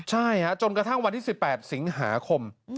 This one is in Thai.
ใช่จนกระทั่งวันที่๑๘สิงหาคม